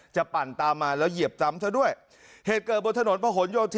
ปั่นตามมาแล้วเหยียบซ้ำเธอด้วยเหตุเกิดบนถนนประหลโยธิ